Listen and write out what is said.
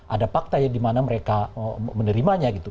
ada fakta ya di mana mereka menerimanya gitu